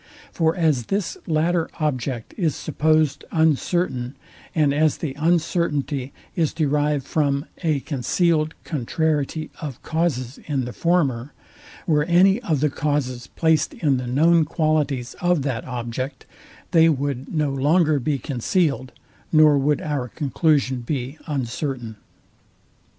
For as this latter object is supposed uncertain, and as the uncertainty is derived from a concealed contrariety of causes in the former, were any of the causes placed in the known qualities of that object, they would no longer be concealed, nor would our conclusion be uncertain.